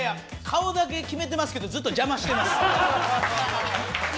顔だけ決めてますけどずっと邪魔してます。